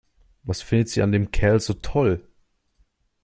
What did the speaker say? Was findet sie an dem Kerl so toll?